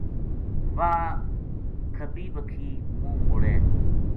واہ کبھی باکھی منہ موڑے